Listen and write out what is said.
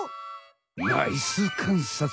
ナイスかんさつ。